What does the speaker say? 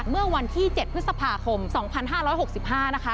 เมื่อวันที่๗พฤษภาคม๒๕๖๕นะคะ